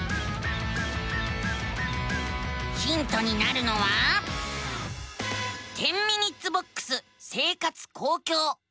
ヒントになるのは「１０ｍｉｎ．ボックス生活・公共」。